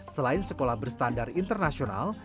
selain sekolah berstandar internasional